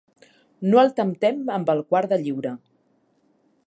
No el temptem amb el quart de lliura.